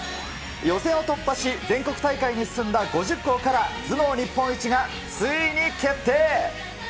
予選を突破し、全国大会に進んだ５０校から、頭脳日本一がついに決定。